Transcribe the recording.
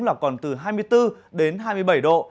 là còn từ hai mươi bốn đến hai mươi bảy độ